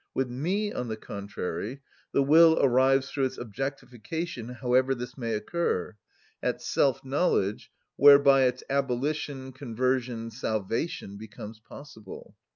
With me, on the contrary, the will arrives through its objectification however this may occur, at self‐knowledge, whereby its abolition, conversion, salvation becomes possible.